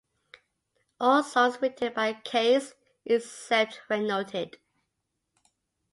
All songs written by Case, except where noted.